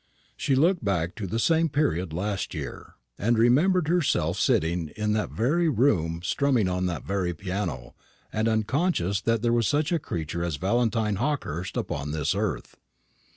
She looked back to the same period last year, and remembered herself sitting in that very room strumming on that very piano, and unconscious that there was such a creature as Valentine Hawkehurst upon this earth.